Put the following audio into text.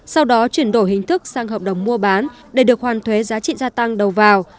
sau đó chuyển đổi hình thức sang hợp đồng mua bán để được hoàn thuế giá trị gia tăng đầu vào